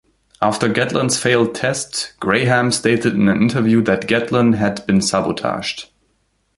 After Gatlin's failed test, Graham stated in an interview that Gatlin had been sabotaged.